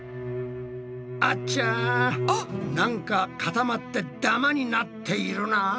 あちゃなんか固まってダマになっているなぁ。